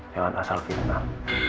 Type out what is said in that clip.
jangan asal fitnah